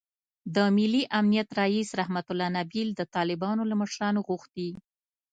د ملي امنیت رییس رحمتالله نبیل د طالبانو له مشرانو غوښتي